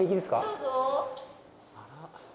どうぞ。